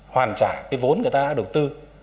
hoàn trả cái vốn người ta đã đầu tư